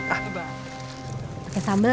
pakai sambel ya